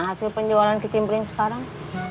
gimana hasil penjualan ke cimbrin sekarang